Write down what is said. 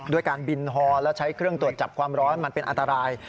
การบินฮอและใช้เครื่องตรวจจับความร้อนมันเป็นอันตราย